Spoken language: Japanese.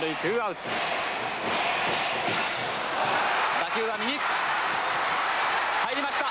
打球は右入りました。